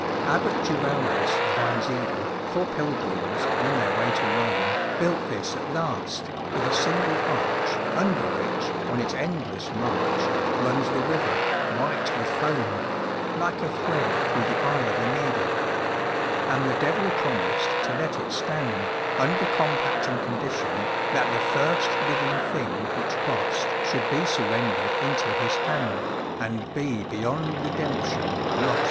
Abbot Giraldus of Einsiedel, For pilgrims on their way to Rome, Built this at last, with a single arch, Under which, on its endless march, Runs the river, white with foam, Like a thread through the eye of a needle. And the Devil promised to let it stand, Under compact and condition That the first living thing which crossed Should be surrendered into his hand, And be beyond redemption lost. LUCIFER, under the bridge. Ha! ha!